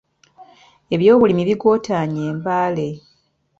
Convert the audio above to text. Ebyobulimi bigootaanye e Mbale.